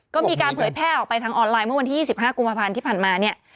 ก็มีการเผยแพร่ออกไปทางออนไลน์เมื่อวันที่๒๕กุมภาพันธ์ที่ผ่านมาเนี่ย